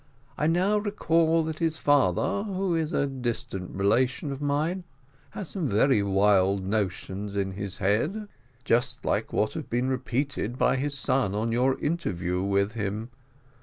I now recollect that his father, who is a distant relation of mine, has some very wild notions in his head, just like what have been repeated by his son on your interview with him.